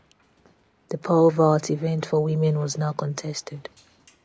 The pole vault event for women was not contested.